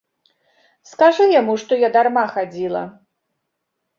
Скажы яму, што я дарма хадзіла.